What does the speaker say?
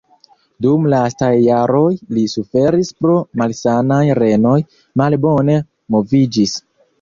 Dum lastaj jaroj li suferis pro malsanaj renoj, malbone moviĝis.